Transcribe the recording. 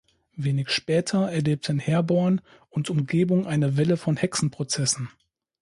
Wenig später erlebten Herborn und Umgebung eine Welle von Hexenprozessen.